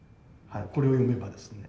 これを読めばですね。